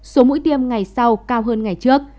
số mũi tiêm ngày sau cao hơn ngày trước